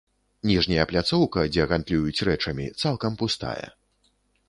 Ніжняя пляцоўка, дзе гандлююць рэчамі, цалкам пустая.